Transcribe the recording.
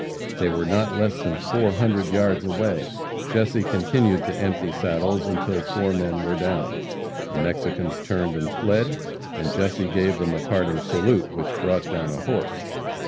They were not less than four hundred yards away. Jesse continued to empty saddles until four men were down. The Mexicans turned and fled, and Jesse gave them a parting salute, which brought down a horse.